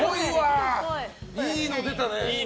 いいの出たね。